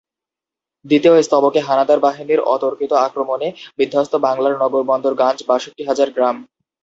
দ্বিতীয় স্তবকে হানাদার বাহিনীর অতর্কিত আক্রমণে বিধ্বস্ত বাংলার নগর-বন্দর-গঞ্জ-বাষট্টি হাজার গ্রাম।